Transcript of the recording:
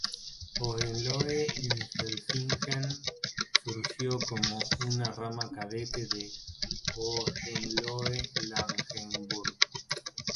Hohenlohe-Ingelfingen surgió como una rama cadete de Hohenlohe-Langenburg.